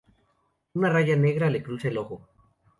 Una raya negra le cruza el ojo.